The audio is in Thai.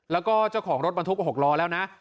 แล้วก็เจ้าของรถบรรทุก๖ล้อแล้วนะ